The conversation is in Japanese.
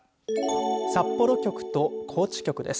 札幌局と高知局です。